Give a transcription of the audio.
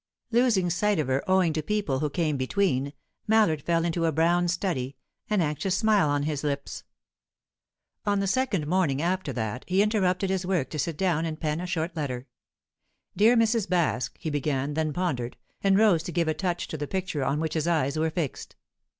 Losing sight of her, owing to people who came between, Mallard fell into a brown study, an anxious smile on his lips. On the second morning after that, he interrupted his work to sit down and pen a short letter. "Dear Mrs. Baske," he began then pondered, and rose to give a touch to the picture on which his eyes were fixed.